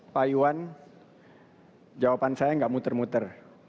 pak iwan jawaban saya nggak muter muter